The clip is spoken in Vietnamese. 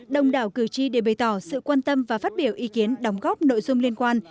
đồng đảo cử tri đều bày tỏ sự quan tâm và phát biểu ý kiến đóng góp nội dung liên quan